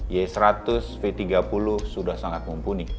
y seratus v tiga puluh sudah sangat mumpuni